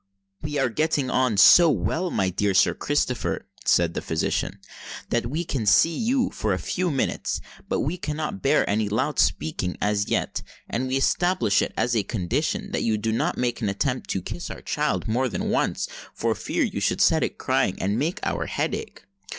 "We are getting on so well, my dear Sir Christopher," said the physician, "that we can see you for a few minutes; but we cannot bear any loud speaking as yet, and we establish it as a condition that you do not attempt to kiss our child more than once, for fear you should set it crying and make our head ache."